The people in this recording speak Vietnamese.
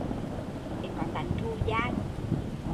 Người Huế có tánh thù dai